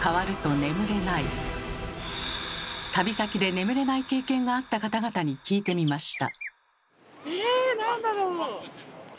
旅先で眠れない経験があった方々に聞いてみました